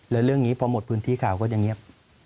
แล้วเรื่องนี้พอหมดพื้นที่ข่าวก็จะเงียบ